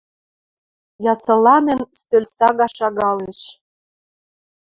Ясыланен, стӧл сага шагалеш.